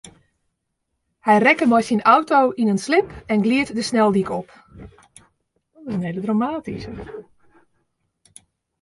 Hy rekke mei syn auto yn in slip en glied de sneldyk op.